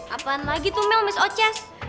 apaan lagi tuh mel miss oces